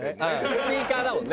スピーカーだもんね。